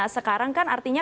sekarang kan artinya